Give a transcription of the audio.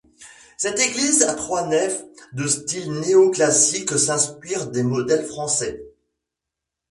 Cette église à trois nefs de style néo-classique s'inspire des modèles français.